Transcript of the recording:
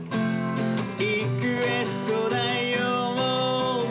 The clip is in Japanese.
「リクエストだよ」